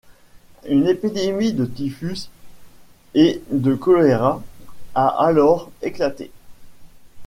Une épidémie de typhus et de choléra a alors éclaté.